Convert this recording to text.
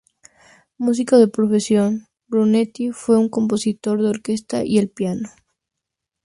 Músico de profesión, Brunetti fue un compositor de orquesta y el piano.